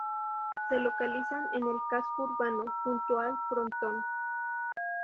Se localiza en el casco urbano, junto al frontón.